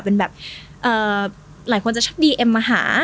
เป็นแบบหลายคนจะชอบดีเอ็มมาหา